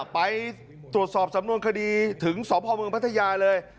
ไปตรวจสอบสำนวนคดีถึงสพเมืองพัทยาเลย